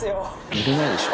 寝れないでしょ。